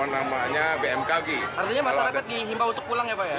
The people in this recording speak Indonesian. artinya masyarakat dihimpau untuk pulang ya pak ya